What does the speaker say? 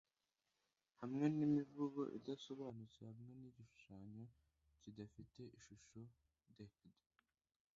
Hamwe nimivugo idasobanutse hamwe nigishushanyo kidafite ishusho dec'd,